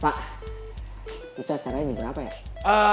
pak itu acaranya di berapa ya